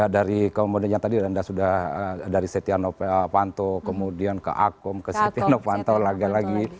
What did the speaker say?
dari komponen yang tadi dari setiano panto kemudian ke akom ke setiano panto lagi lagi